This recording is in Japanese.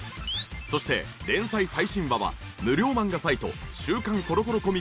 そして連載最新話は無料漫画サイト週刊コロコロコミックで配信中。